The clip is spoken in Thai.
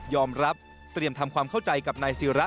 รับเตรียมทำความเข้าใจกับนายศิระ